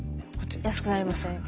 「安くなりませんか？」。